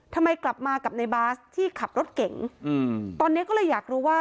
ทำไมกลับมากับในบาสที่ขับรถเก่งอืมตอนเนี้ยก็เลยอยากรู้ว่า